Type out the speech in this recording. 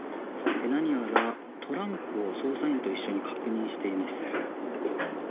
何やらトランクを捜査員と一緒に確認しています。